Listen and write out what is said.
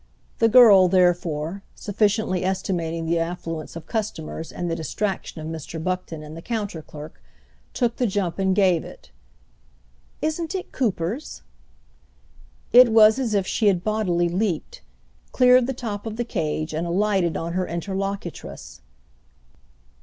The girl, therefore, sufficiently estimating the affluence of customers and the distraction of Mr. Buckton and the counter clerk, took the jump and gave it. "Isn't it Cooper's?" It was as if she had bodily leaped—cleared the top of the cage and alighted on her interlocutress.